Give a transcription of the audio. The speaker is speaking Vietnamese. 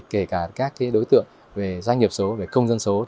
kể cả các đối tượng doanh nghiệp số công dân số